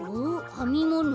あみもの？